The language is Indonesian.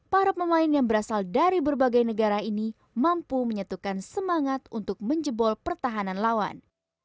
para pemain yang berasal dari berbagai negara ini mampu menyatukan semangat untuk menjebol pertahanan lawan